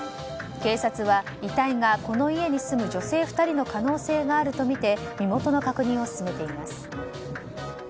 警察は遺体がこの家に住む女性２人の可能性があるとみて身元の確認を進めています。